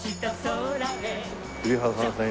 栗原さん